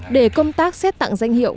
để công tác xét tặng danh hiệu